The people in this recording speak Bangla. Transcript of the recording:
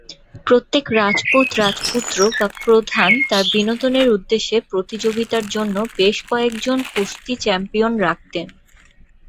প্রত্যেক রাজপুত রাজপুত্র বা প্রধান তাঁর বিনোদনের উদ্দেশ্যে প্রতিযোগিতার জন্য বেশ কয়েক জন কুস্তি চ্যাম্পিয়ন রাখতেন।